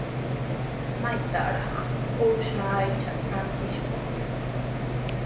¿Maytrawraq uusha aychata rantishwan?